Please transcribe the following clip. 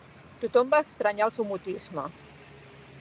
Tothom va estranyar el seu mutisme.